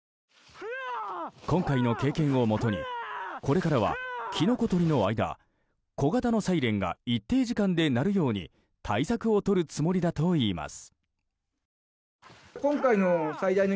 今回の経験をもとにこれからは、キノコ採りの間小型のサイレンが一定時間で鳴るように対策をとるつもりだと言います。